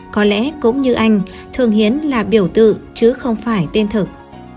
có lẽ cũng như anh thường hiến là biểu tự chứ không phải tên thực